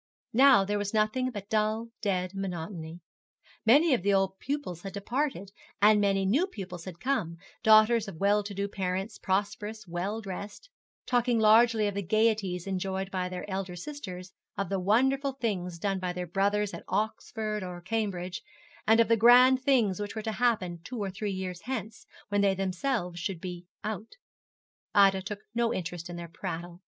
Now there was nothing but dull, dead monotony. Many of the old pupils had departed, and many new pupils had come, daughters of well to do parents, prosperous, well dressed, talking largely of the gaieties enjoyed by their elder sisters, of the wonderful things done by their brothers at Oxford or Cambridge, and of the grand things which were to happen two or three years hence, when they themselves should be 'out.' Ida took no interest in their prattle.